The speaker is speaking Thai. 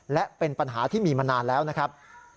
และเป็นปัญหาที่มีมานานแล้วนะครับ